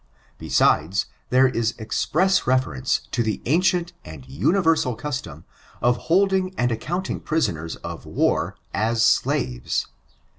Besides, there is express reference to the ancient and universal custom of holding and accounting prisoners of war as slaves.